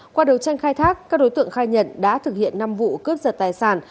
qua đầu tranh khai thác các đối tượng khai nhận đã thực hiện năm vụ cướp giật tài sản